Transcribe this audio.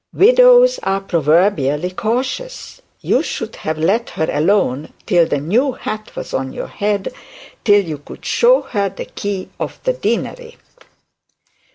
Widows are proverbially cautious. You should have let her alone till the new hat was on your head; till you could show her the key of the deanery.'